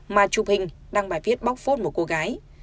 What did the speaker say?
mà chụp hình đăng bài viết bóc phốt một cô gái